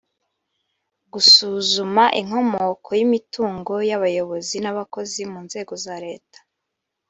Gusuzuma inkomoko y imitungo y abayobozi n abakozi mu nzego za Leta